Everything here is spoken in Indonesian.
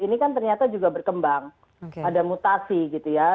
ini kan ternyata juga berkembang ada mutasi gitu ya